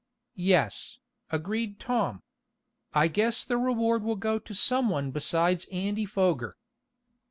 "Yes," agreed Tom. "I guess the reward will go to some one besides Andy Foger."